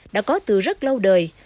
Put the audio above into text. đã có từ rất lâu đời